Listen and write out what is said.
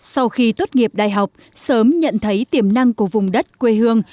sau khi tốt nghiệp đại học sớm nhận thấy tiềm năng của vùng đất quê hương